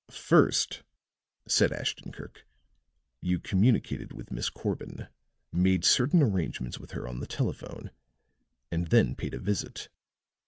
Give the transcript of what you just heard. "First," said Ashton Kirk, "you communicated with Miss Corbin, made certain arrangements with her on the telephone and then paid a visit.